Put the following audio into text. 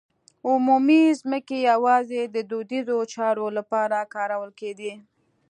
عمومي ځمکې یوازې د دودیزو چارو لپاره کارول کېدې.